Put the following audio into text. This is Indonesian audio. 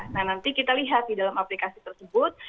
nah nanti kita lihat di dalam aplikasi tersebut